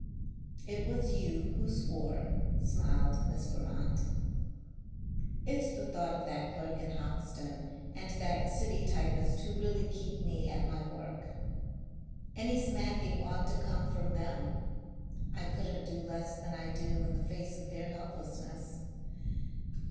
"It was you who swore," smiled Miss Grammont. "It's the thought of that clerk in Hoxton and that city typist who really keep me at my work. Any smacking ought to come from them. I couldn't do less than I do in the face of their helplessness.